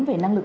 về năng lực